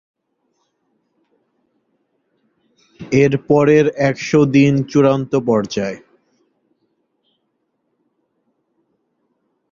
এরপরের একশো দিন চূড়ান্ত পর্যায়।